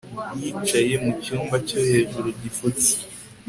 yicaye mu cyumba cyo hejuru gifutse